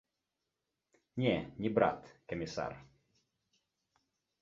Не, не брат, камісар.